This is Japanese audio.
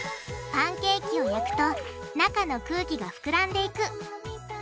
パンケーキを焼くと中の空気がふくらんでいく。